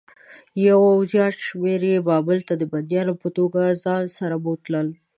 یو زیات شمېر یې بابل ته د بندیانو په توګه ځان سره بوتلل.